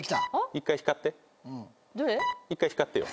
１回光ってよ。